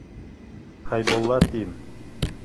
Хәйбулла, тим.